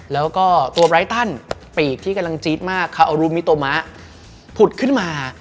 แล้วก็ตัวไร้ตันปีกที่กำลังจี๊ดมากคาอรุมิโตมะผุดขึ้นมา